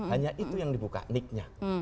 hanya itu yang dibuka nicknya